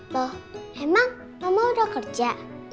loh emang mama udah kerja